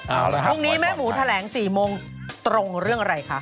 เอาละครับพรุ่งนี้แม่หมูแถลง๔โมงตรงเรื่องอะไรคะ